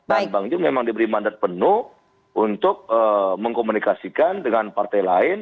dan bang jul memang diberi mandat penuh untuk mengkomunikasikan dengan partai lain